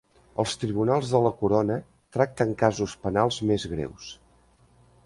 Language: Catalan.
Els Tribunals de la Corona tracten casos penals més greus.